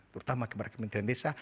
terutama kepada kementerian desa